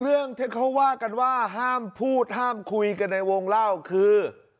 เรื่องที่เขาว่ากันว่าห้ามพูดห้ามคุยกันในวงเล่าคือ